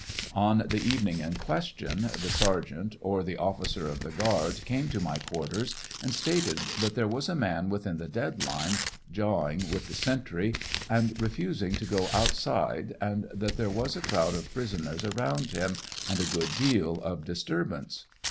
On the evening in question, the sergeant or the officer of the guard came to my quarters and stated that there was a man within the dead line, jawing with the sentry, and refusing to go outside, and that there was a crowd of prisoners around him, and a good deal of disturbance.